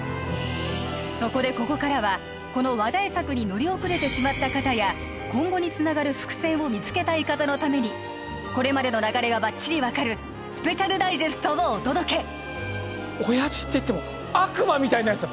そこでここからはこの話題作に乗り遅れてしまった方や今後につながる伏線を見つけたい方のためにこれまでの流れがバッチリ分かるスペシャルダイジェストをお届け親父っていっても悪魔みたいなやつだぞ